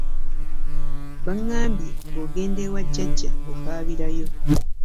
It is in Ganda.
Baŋŋambye bw'ogenda ewa jjajja okaabirayo.